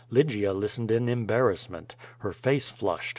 Lygia listened in embarrassment. Her face flushed.